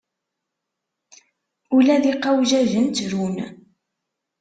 Ula d iqawjajen ttrun.